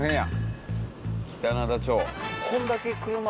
北灘町。